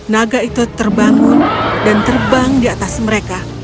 naga itu terbangun dan terbang di atas mereka